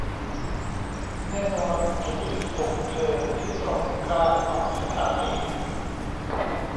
แน่นอน ฉันจะหยุดส่งเธอที่ตรงกลางของสถานี